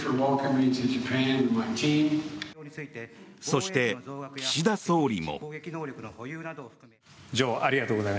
そして、岸田総理も。